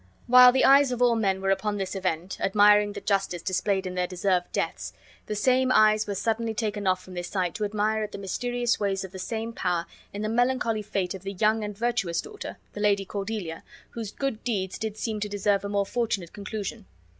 While the eyes of all men were upon this event, admiring the justice displayed in their deserved deaths, the same eyes were suddenly taken off from this sight to admire at the mysterious ways of the same power in the melancholy fate of the young and virtuous daughter, the Lady Cordelia, whose good deeds did seem to deserve a more fortunate conclusion.